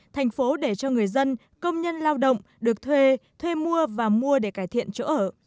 thành phố để cho người dân công nhân lao động được thuê thuê mua và mua để cải thiện chỗ ở